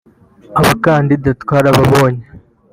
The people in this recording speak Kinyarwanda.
Abakandida twarababonye